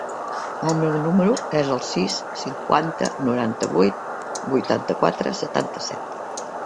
El meu número es el sis, cinquanta, noranta-vuit, vuitanta-quatre, setanta-set.